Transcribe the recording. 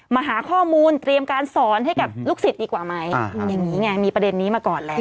มาหาข้อมูลเตรียมการสอนให้กับลูกศิษย์ดีกว่าไหมอย่างนี้ไงมีประเด็นนี้มาก่อนแล้ว